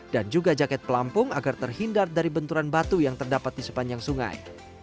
dan juga jaket pelampung agar terhindar dari benturan batu yang terdapat di sepanjang sungai